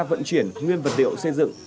vận chuyển nguyên vật liệu xây dựng